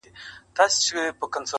او تحليل کيږي-